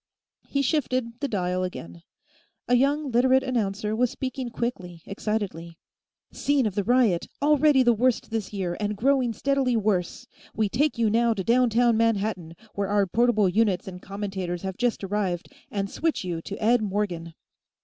He shifted the dial again; a young Literate announcer was speaking quickly, excitedly: "... Scene of the riot, already the worst this year, and growing steadily worse. We take you now to downtown Manhattan, where our portable units and commentators have just arrived, and switch you to Ed Morgan."